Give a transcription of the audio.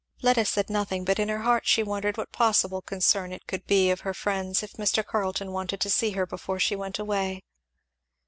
Fleda said nothing, but in her heart she wondered what possible concern it could be of her friends if Mr. Carleton wanted to see her before she went away.